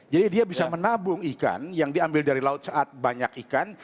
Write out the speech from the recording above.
jadi dia bisa menabung ikan yang diambil dari laut saat banyak ikan